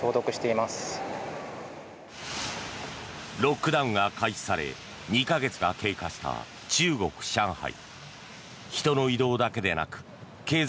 ロックダウンが開始され２か月が経過した中国・上海。